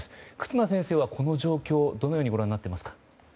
忽那先生はこの状況どうご覧になっていますか。